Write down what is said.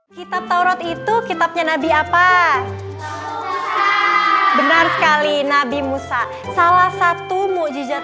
kita tahu itu kitabnya nabi apa benar sekali nabi musa salah satu mu'jizat